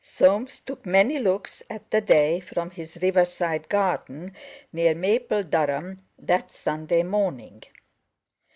Soames took many looks at the day from his riverside garden near Mapledurham that Sunday morning.